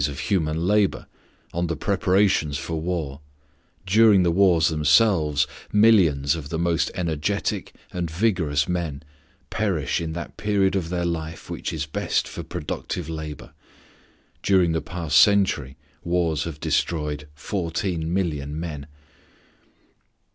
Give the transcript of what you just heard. _ of human labor, on the preparations for war, during the wars themselves millions of the most energetic and vigorous men perish in that period of their life which is best for productive labor (during the past century wars have destroyed fourteen million men).